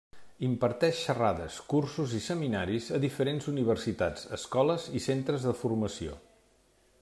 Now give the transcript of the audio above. Imparteix xerrades, cursos i seminaris a diferents universitats, escoles i centres de formació.